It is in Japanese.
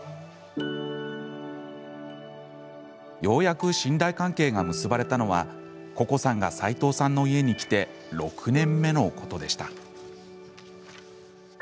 ようやく信頼関係が結ばれたのはここさんが齋藤さんの家に来て６年目のことでした。